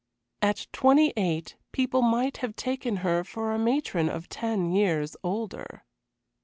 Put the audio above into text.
At twenty eight people might have taken her for a matron of ten years older.